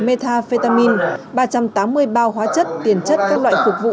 metafetamin ba trăm tám mươi bao hóa chất tiền chất các loại phục vụ